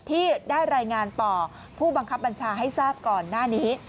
ที่ได้รายงานต่อผู้บังคับบัญชาให้ทราบก่อนหน้านี้